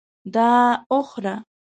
دا وخوره !